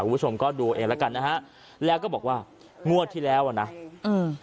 คุณผู้ชมก็ดูเองแล้วกันนะฮะแล้วก็บอกว่างวดที่แล้วอ่ะนะอืม